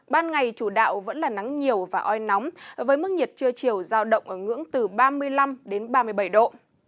ban ngày chủ đạo vẫn là nắng nhiều và oi nóng với mức nhiệt trưa chiều giao động ở ngưỡng từ ba mươi năm đến ba mươi bảy độ